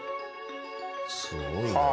すごいな。